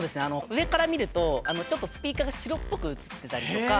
上から見るとちょっとスピーカーが白っぽく写ってたりとか。